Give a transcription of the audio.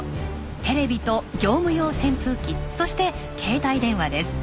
テレビと業務用扇風機そして携帯電話です。